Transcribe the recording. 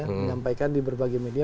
menyampaikan di berbagai media